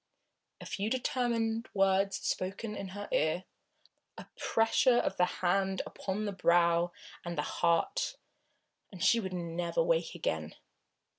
A few determined words spoken in her ear, a pressure of the hand upon the brow and the heart, and she would never wake again.